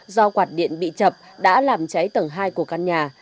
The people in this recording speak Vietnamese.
do quạt điện bị chập đã làm cháy tầng hai của căn nhà